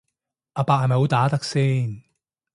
阿伯係咪好打得先